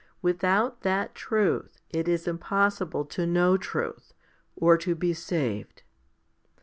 Without that truth it is impossible to know truth, or to be saved.